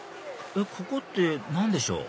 ここって何でしょう？